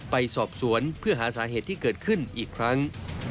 ไปสอบสวนเพื่อหาสาเหตุที่เกิดขึ้นอีกครั้ง